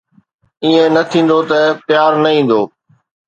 ائين نه ٿيندو ته پيار نه ايندو